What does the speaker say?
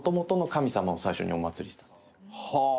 はあ！